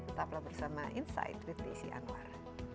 tetaplah bersama insight with desi anwar